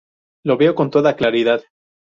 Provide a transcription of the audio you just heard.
Lo veo con toda claridad.